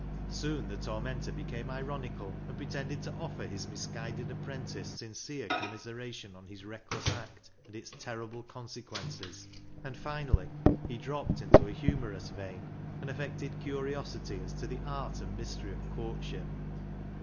Soon the tormentor became ironical, and pretended to offer his misguided apprentice sin cere commiseration on his reckless act and its terrible consequences, and finally he dropped into a humorous vein, and affected curiosity as to the art and mystery of courtship.